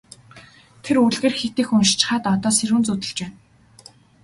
Тэр үлгэр хэт их уншчихаад одоо сэрүүн зүүдэлж байна.